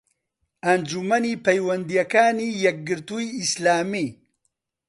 ئەنجومەنی پەیوەندییەکانی یەکگرتووی ئیسلامی